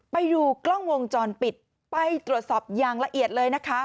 ไปดูกล้องวงจรปิดไปตรวจสอบอย่างละเอียดเลยนะคะ